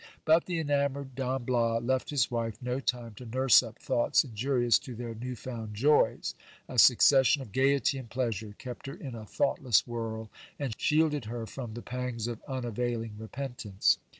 But tl e enamoured Don Bias left his wife no time to nurse up thoughts injurious to 324 GIL BLAS. their new found joys ; a succession of gaiety and pleasure kept her in a thought less whirl, and shielded her from the pangs of unavailing repentance.